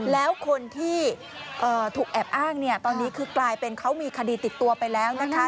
แล้วคนที่ถูกแอบอ้างเนี่ยตอนนี้คือกลายเป็นเขามีคดีติดตัวไปแล้วนะคะ